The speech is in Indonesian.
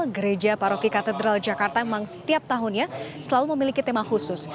gereja paroki katedral jakarta memang setiap tahunnya selalu memiliki tema khusus